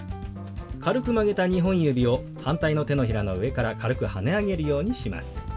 軽く曲げた２本指を反対の手のひらの上から軽くはね上げるようにします。